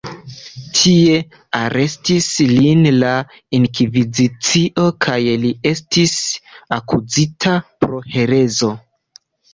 Tie arestis lin la inkvizicio kaj li estis akuzita pro herezo.